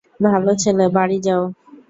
ভালো ছেলে, বাড়ি যাও।